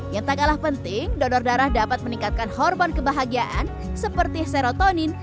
yang tak kalah penting donor darah dapat meningkatkan hormon kebahagiaan seperti serotonin